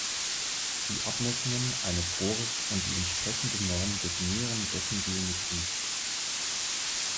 Die Abmessungen eines Rohres und die entsprechende Norm definieren dessen Geometrie.